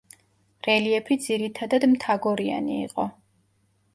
რელიეფი ძირითადად მთაგორიანი იყო.